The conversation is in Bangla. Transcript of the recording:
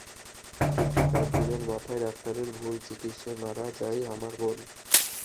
কিন্তু চার দিনের মাথায় ডাক্তারের ভুল চিকিৎসায় মারা যায় আমার বোন।